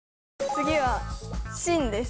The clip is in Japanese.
次は信です。